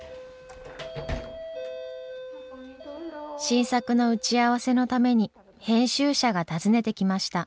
新作の打ち合わせのために編集者が訪ねてきました。